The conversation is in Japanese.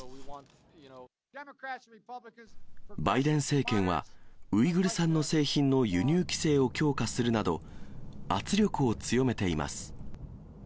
バイデン政権は、ウイグル産の製品の輸入規制を強化するなど、圧力を強めています。